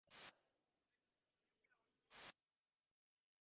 Traces of his name also appear on a fourth, small fragment of the kinglist.